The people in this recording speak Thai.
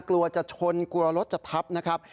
กลัวจะชนกลัวรถจะทับนะครับ